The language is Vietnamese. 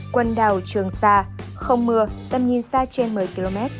quần đảo trường sa không mưa tầm nhìn xa trên một mươi km